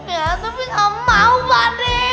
ya tapi gak mau pak deh